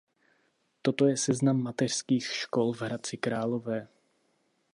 Toto je seznam mateřských škol v Hradci Králové.